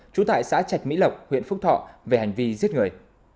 trú tại xã trạch mỹ lộc huyện phúc thọ về hành vi giết người